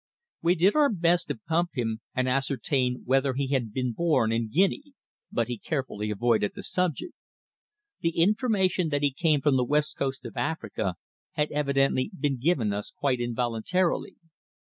We did our best to pump him and ascertain whether he had been born in Guinea, but he carefully avoided the subject. The information that he came from the West Coast of Africa had evidently been given us quite involuntarily.